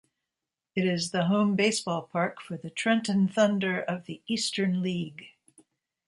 It is the home baseball park for the Trenton Thunder of the Eastern League.